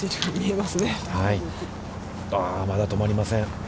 まだ止まりません。